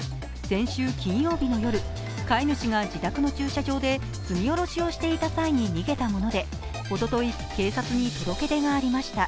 先週金曜日の夜、飼い主が自宅の駐車場で積み下ろしをしていた際に逃げたもので、おととい、警察に届け出がありました。